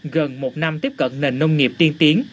gần một năm tiếp cận nền nông nghiệp tiên tiến